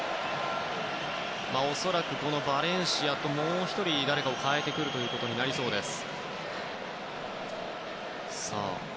恐らく、バレンシアともう１人誰かを代えてくることになりそうです。